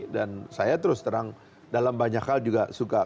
dan saya terus terang dalam banyak hal juga suka